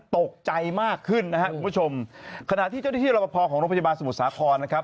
ตกใจมากขึ้นนะครับคุณผู้ชมขณะที่เจ้าหน้าที่รับประพอของโรงพยาบาลสมุทรสาครนะครับ